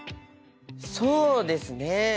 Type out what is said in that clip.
そうですね